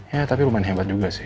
ya tapi lumayan hebat